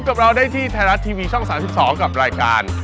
กับเราได้ที่ไทยรัฐทีวีช่อง๓๒กับรายการ